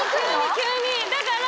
急にだから。